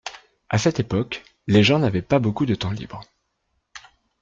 À cette époque, les gens n’avaient pas beaucoup de temps libre.